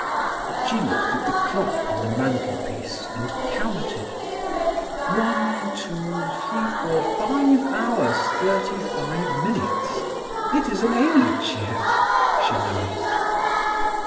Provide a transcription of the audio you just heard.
She looked at the clock on the mantelpiece and counted: "One, two, three, four, five hours, thirty five minutes. It is an age yet," she laughed.